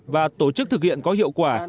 và tổ chức thực hiện có hiệu quả